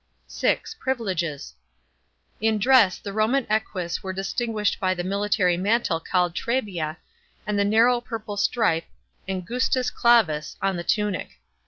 (6) Privileges. In dress the Roman eques was distinguished by the military mantle called trabea, and the narrow purple stripe (angustus clavus) on the tunic.